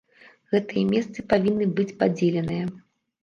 Гэтыя месцы павінны быць падзеленыя.